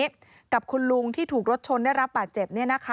กับคุณลุงที่ถูกรถชนได้รับบาดเจ็บ